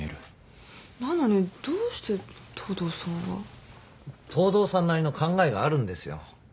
なのにどうして東堂さんは。東堂さんなりの考えがあるんですよ。